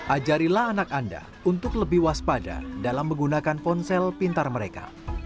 ajarilah anak anda untuk lebih waspada dalam menggunakan ponsel pintar mereka